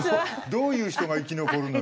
どういう人が生き残るのよ。